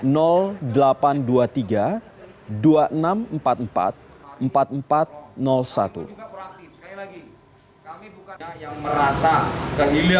sekali lagi kami bukan yang merasa kehilangan